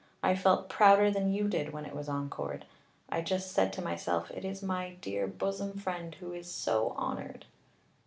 I felt prouder than you did when it was encored. I just said to myself, 'It is my dear bosom friend who is so honored.